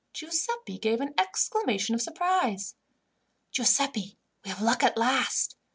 Giuseppi gave an exclamation of surprise. "Giuseppi, we have luck at last.